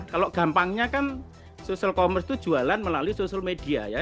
kalau gampangnya kan social commerce itu jualan melalui social media ya